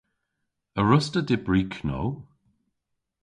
A wruss'ta dybri know?